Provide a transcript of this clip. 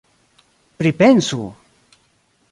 Pripensu!